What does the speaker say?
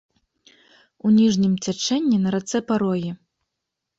У ніжнім цячэнні на рацэ парогі.